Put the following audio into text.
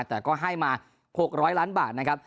แต่ก็ให้มา๖๐๐ล้านบาทนะครับ